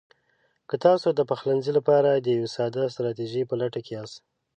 که تاسو د پخلنځي لپاره د یوې ساده ستراتیژۍ په لټه کې یاست: